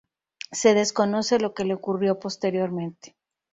Se desconoce lo que le ocurrió posteriormente.